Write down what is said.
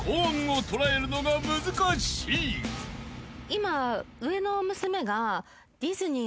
今。